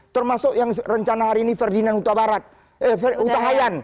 termasuk yang rencana hari ini ferdinand utahayyan